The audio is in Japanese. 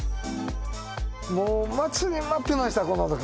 もう待ちに待ってました、このとき。